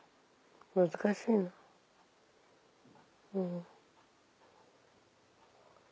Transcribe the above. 難しいなうん。